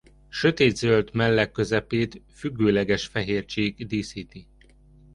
Sötétzöld melle közepét függőleges fehér csík díszíti.